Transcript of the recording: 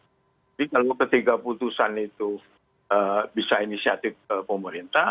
jadi kalau ketiga putusan itu bisa inisiatif pemerintah